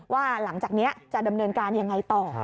ว่าหลังจากนี้จะดำเนินการยังไงต่อ